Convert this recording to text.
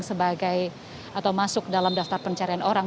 sebagai atau masuk dalam daftar pencarian orang